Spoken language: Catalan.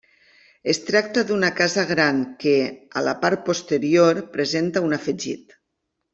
Es tracta d'una casa gran que, a la part posterior presenta un afegit.